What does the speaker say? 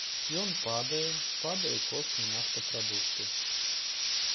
Ён падае, падае і кошт на нафтапрадукты.